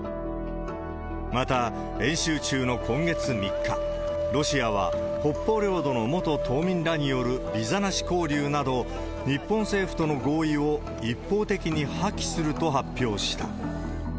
また、演習中の今月３日、ロシアは、北方領土の元島民らによるビザなし交流など、日本政府との合意を一方的に破棄すると発表した。